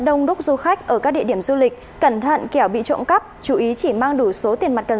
đông đúc du khách ở các địa điểm du lịch cẩn thận kẻo bị trộm cắp chú ý chỉ mang đủ số tiền mặt cần